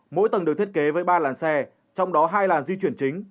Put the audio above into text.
mỗi tầng được thiết kế với ba làn xe trong đó hai làn di chuyển chính